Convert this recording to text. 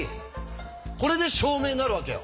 これで証明になるわけよ。